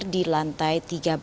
di lantai tiga belas